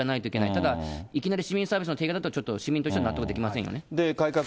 ただいきなり市民サービスの低下だと、市民としては納得できませんよね。